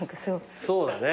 そうだね。